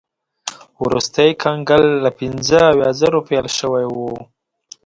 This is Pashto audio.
وروستی کنګل له پنځه اویا زرو پیل شوی و.